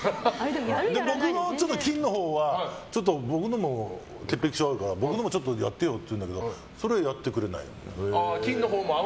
僕は菌のほうは、僕のも潔癖症だから、僕のもやってよって言うんですけどそれはやってくれない。